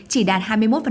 chỉ đạt hai mươi một